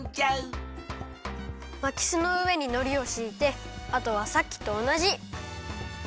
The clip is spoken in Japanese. まきすのうえにのりをしいてあとはさっきとおなじ。